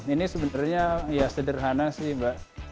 ini sebenarnya ya sederhana sih mbak